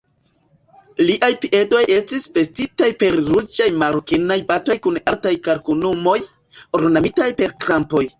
Liaj piedoj estis vestitaj per ruĝaj marokenaj botoj kun altaj kalkanumoj, ornamitaj per krampoj.